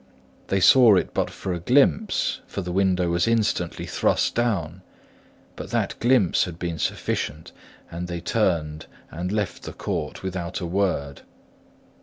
They saw it but for a glimpse for the window was instantly thrust down; but that glimpse had been sufficient, and they turned and left the court without a word.